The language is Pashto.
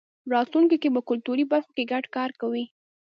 راتلونکی کې به کلتوري برخو کې ګډ کار کوی.